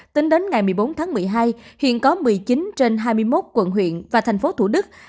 tính đến ngày một mươi bốn tháng một mươi hai hiện có một mươi chín trên hai mươi một quận huyện và thành phố thủ đức